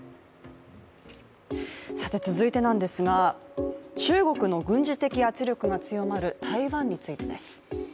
続いてなんですが、中国の軍事的圧力が強まる台湾についてです。